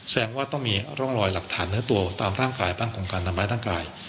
แสงว่าต้องมีร่องรอยหลักฐานในตัวตามร่างขายบ้างของการทำไม่ทางกาย